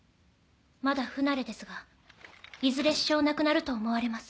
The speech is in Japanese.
まだ不慣れですがいずれ支障なくなると思われます。